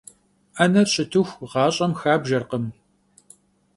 'ener şıtıxu, ğaş'em xabjjerkhım.